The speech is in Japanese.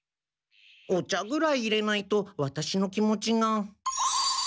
お茶ぐらいいれないとワタシの気持ちが。